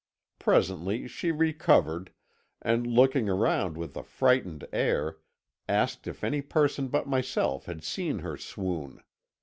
Presently she recovered, and looking around with a frightened air, asked if any person but myself had seen her swoon.